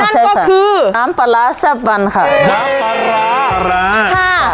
อ้อใช่ค่ะนั่นก็คือน้ำปลาร้าแซ่บวันค่ะน้ำปลาร้าปลาร้าค่ะ